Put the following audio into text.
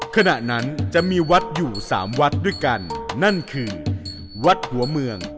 ขณะนั้นจะมีวัดอยู่สามวัดด้วยกันนั่นคือวัดหัวเมือง